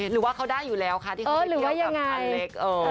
หรือว่าเขาได้อยู่แล้วค่ะที่เขาไปเที่ยวกับงานเล็ก